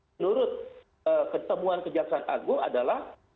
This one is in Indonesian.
menurut ketemuan kejaksaan agung adalah